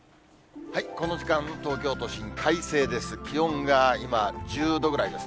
この時間、東京都心、快晴です。